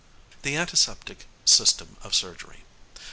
_The Antiseptic System of Surgery.